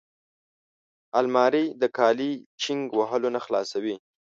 الماري د کالي چینګ وهلو نه خلاصوي